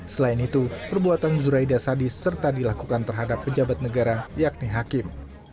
selain itu perbuatan zuraida sadis serta dilakukan terhadap pejabat negara yakni hakim